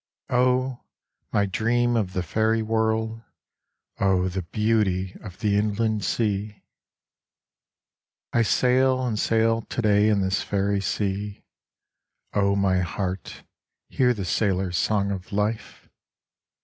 Oh, my dream of the fairy world, oh, the beauty of the Inland Sea ! I sail and sail to day in this fairy sea, (O my heart, hear the sailors' song of life